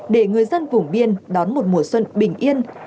để người dân vùng biên đón một mùa xuân bình yên